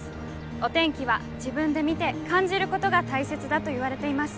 お天気は自分で見て感じることが大切だといわれています。